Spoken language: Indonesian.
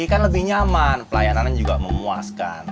kan lebih nyaman pelayanan juga memuaskan